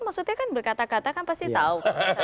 maksudnya kan berkata kata kan pasti tahu